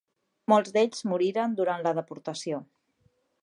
Molts d'ells moriren durant la deportació.